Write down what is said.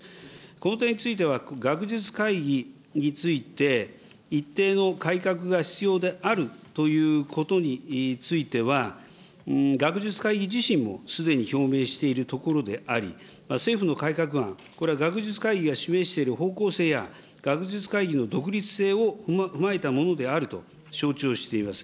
この点については学術会議について、一定の改革が必要であるということについては、学術会議自身もすでに表明しているところであり、政府の改革案、これは学術会議が示している方向性や、学術会議の独立性を踏まえたものであると、承知をしております。